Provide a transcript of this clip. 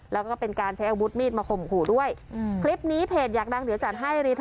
แล้วก็เป็นการใช้อาวุธมีดมาข่มขู่ด้วยคลิปนี้เพจอยากดังเดี๋ยวจัดให้รีท